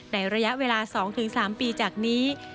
ในระยะเวลา๒๓ปีจากนี้